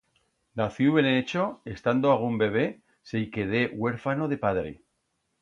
Naciu en Echo, estando agún bebé se i quedé uerfano de padre.